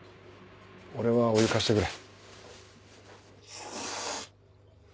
俺はお湯貸してくれ。